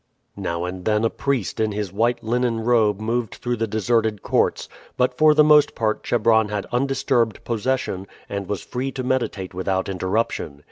Now and then a priest in his white linen robe moved through the deserted courts; but for the most part Chebron had undisturbed possession, and was free to meditate without interruption.